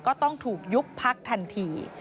ก็ต้องถูกยุบพักทันที